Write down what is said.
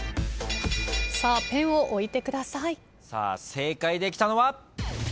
正解できたのは。